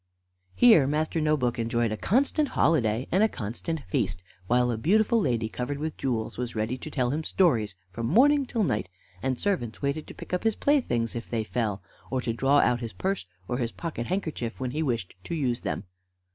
Here Master No book enjoyed a constant holiday and a constant feast, while a beautiful lady covered with jewels was ready to tell him stories from morning till night, and servants waited to pick up his playthings if they fell, or to draw out his purse or his pocket handkerchief when he wished to use them.